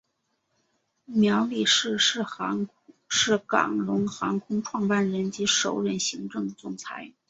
苗礼士是港龙航空创办人及首任行政总裁。